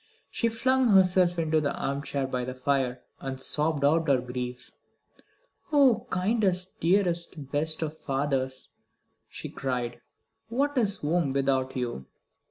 She flung herself into the arm chair by the fire and sobbed out her grief. "Oh, kindest, dearest, best of fathers," she cried, "what is home without you!"